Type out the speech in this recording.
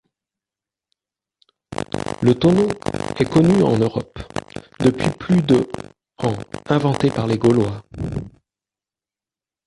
Le tonneau est connu en Europe depuis plus de ans, inventé par les Gaulois.